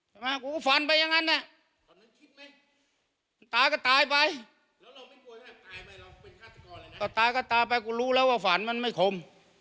ใช่ไหมกูฝันไปอย่างนั้นแหละตายก็ตายไปก็ตายก็ตายไปกูรู้แล้วว่าฝันมันไม่คม